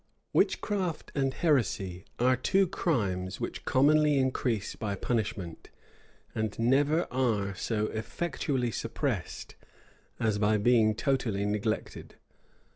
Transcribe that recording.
Witchcraft and heresy are two crimes which commonly increase by punishment, and never are so effectually suppressed as by being totally neglected.